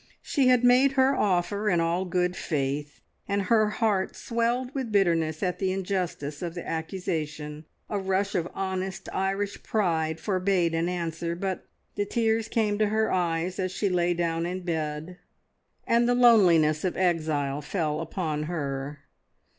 She had made her offer in all good faith, and her heart swelled with bitterness at the injustice of the accusation. A rush of honest Irish pride forbade an answer; but the tears came to her eyes as she lay down in bed, and the loneliness of exile fell upon her.